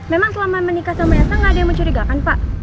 memang selama menikah sama esa gak ada yang mencurigakan pak